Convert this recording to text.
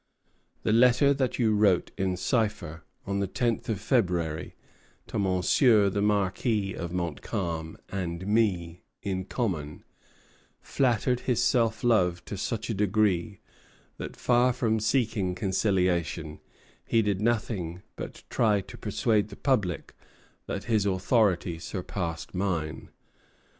"The letter that you wrote in cipher, on the tenth of February, to Monsieur the Marquis of Montcalm and me, in common, flattered his self love to such a degree that, far from seeking conciliation, he did nothing but try to persuade the public that his authority surpassed mine.